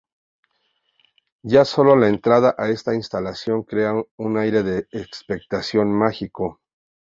Ya sólo la entrada a esta instalación crea una aire de expectación mágico.